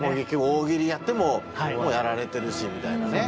大喜利やってももうやられてるしみたいなね。